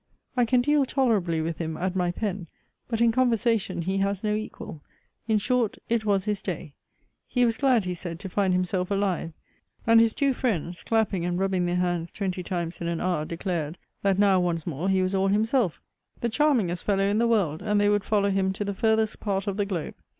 I can deal tolerably with him at my pen; but in conversation he has no equal. In short, it was his day. He was glad, he said, to find himself alive; and his two friends, clapping and rubbing their hands twenty times in an hour, declared, that now, once more, he was all himself the charming'st fellow in the world; and they would follow him to the farthest part of the globe.